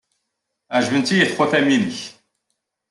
Ɛejbent-iyi txutam-nnek.